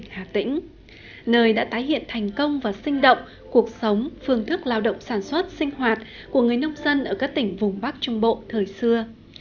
nơi đã tái hiện thành công và sinh động cuộc sống phương thức lao động sản xuất sinh hoạt của người nông dân ở các tỉnh vùng bắc trung bộ thời xưa